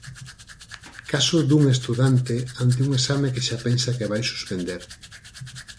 Caso dun estudante ante un exame que xa pensa que vai suspender.